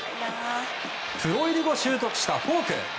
プロ入り後、習得したフォーク。